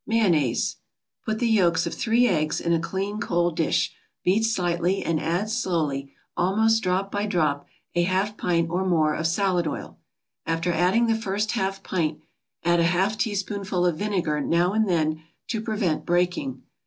MAYONNAISE Put the yolks of three eggs in a clean cold dish, beat slightly and add slowly, almost drop by drop, a half pint or more of salad oil. After adding the first half pint, add a half teaspoonful of vinegar now and then to prevent breaking.